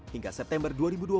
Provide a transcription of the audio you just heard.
hingga september dua ribu dua puluh